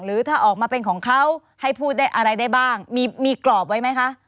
หรือถ้าออกมาเป็นของเขาให้พูดได้อะไรได้บ้างมีกรอบไว้ไหมคะ